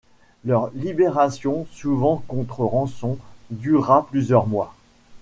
Leur libération, souvent contre rançon, dura plusieurs mois.